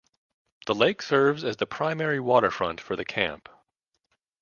The lake serves as the primary waterfront for the camp.